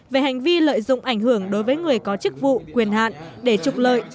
về hành vi lợi dụng ảnh hưởng đối với người có chức vụ quyền hạn để trục lợi